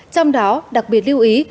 trong đó đặc biệt lưu ý